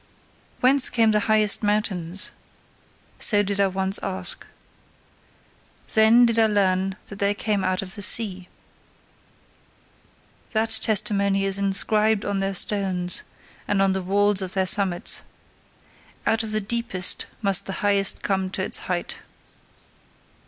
Whence come the highest mountains? so did I once ask. Then did I learn that they come out of the sea. That testimony is inscribed on their stones, and on the walls of their summits. Out of the deepest must the highest come to its height.